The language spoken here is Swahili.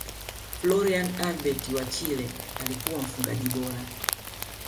frolian albert wa chile alikuwa mfungaji bora